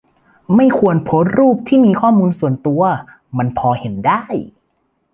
ไม่ควรโพสต์รูปที่มีข้อมูลส่วนตัว มันพอเห็นได้